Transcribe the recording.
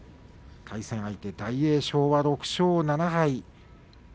対戦相手の大栄翔は６勝７敗。